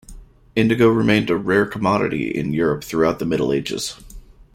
Indigo remained a rare commodity in Europe throughout the Middle Ages.